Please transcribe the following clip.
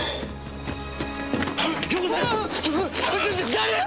誰だ！？